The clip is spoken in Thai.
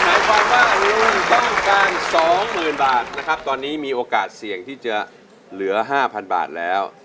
หมายความว่าเงินต้องการ๒๐๐๐บาทนะครับตอนนี้มีโอกาสเสี่ยงที่จะเหลือ๕๐๐๐บาทแล้ว